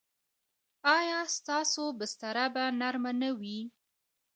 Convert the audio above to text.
ایا ستاسو بستره به نرمه نه وي؟